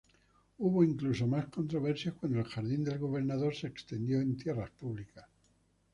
Hubo incluso más controversias cuando el jardín del gobernador se extendió en tierras públicas.